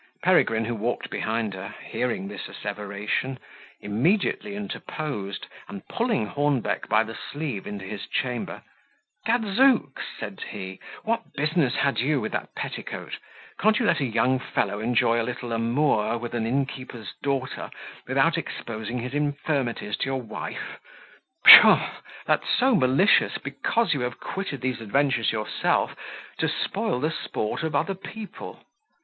Peregrine, who walked behind her, hearing this asseveration, immediately interposed, and pulling Hornbeck by the sleeve into his chamber, "Gadszooks!" said he, "what business had you with that petticoat? Can't you let a young fellow enjoy a little amour with an innkeeper's daughter, without exposing his infirmities to your wife? Pshaw! that's so malicious, because you have quitted these adventures yourself, to spoil the sport of other people."